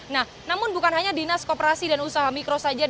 nah namun bukan hanya dinas koperasi dan usaha mikro saja